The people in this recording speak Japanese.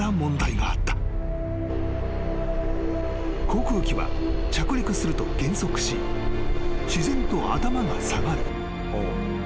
［航空機は着陸すると減速し自然と頭が下がる］